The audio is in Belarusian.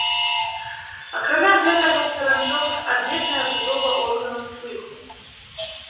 Акрамя гэтага ў саранчовых адметная будова органаў слыху.